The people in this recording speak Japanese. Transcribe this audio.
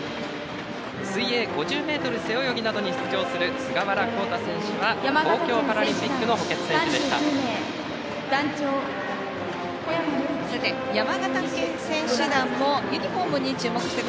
水泳５０ｍ背泳ぎなどに出場する菅原紘汰選手は東京パラリンピックの補欠選手でした。